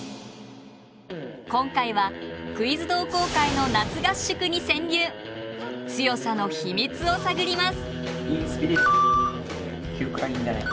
今回はクイズ同好会の強さの秘密を探ります！